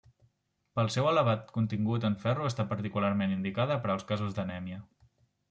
Pel seu elevat contingut en ferro està particularment indicada per als casos d'anèmia.